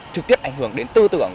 trực tiếp ảnh hưởng đến tư tưởng